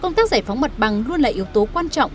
công tác giải phóng mặt bằng luôn là yếu tố quan trọng